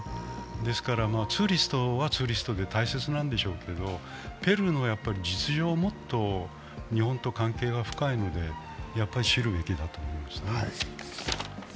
ですから、ツーリストはツーリストで大切なんですけど、ペルーの実情をもっと日本と関係が深いので知るべきだと思いますね。